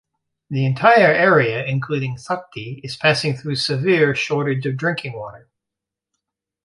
The entire area including Sakti is passing through severe shortage of drinking water.